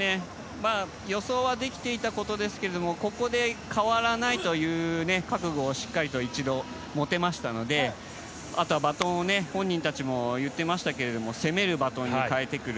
予想はできていたことですけれどもここで、変わらないという覚悟を一度、持てましたのであとはバトンを本人たちも言ってましたけれど攻めるバトンに変えてくる。